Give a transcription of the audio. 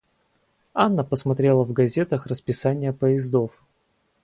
Анна посмотрела в газетах расписание поездов.